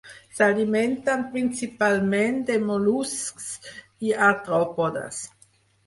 S'alimenten principalment de mol·luscs i artròpodes.